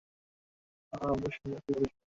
আরম্ভ: সোমবার থেকে পরীক্ষা শুরু।